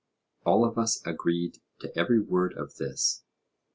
All of us agreed to every word of this.